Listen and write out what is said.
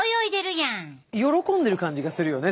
喜んでる感じがするよね